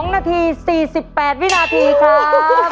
๒นาที๔๘วินาทีครับ